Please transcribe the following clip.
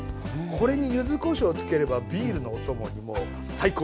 これに柚子こしょうつければビールのお供にも最高です！